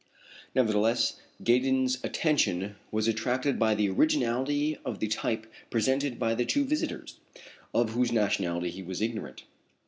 Nevertheless, Gaydon's attention was attracted by the originality of the type presented by the two visitors, of whose nationality he was ignorant.